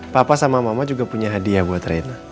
papa sama mama juga punya hadiah buat reina